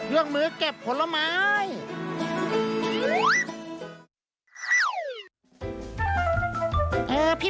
เรื่องมือเก็บผลไม้